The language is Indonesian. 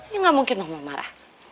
ya nggak mungkin mama marah